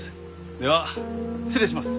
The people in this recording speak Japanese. では失礼します。